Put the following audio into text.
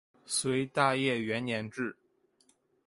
隋大业元年置。